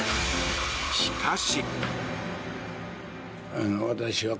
しかし。